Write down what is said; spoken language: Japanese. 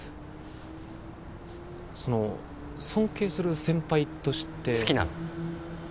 その尊敬する先輩として好きなの？